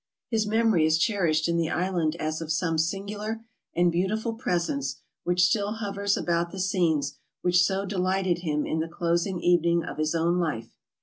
His memory is cherished in the island as of some singular and beautiful presence which still hovers about the scenes which so delighted him in the closing evening of his own life.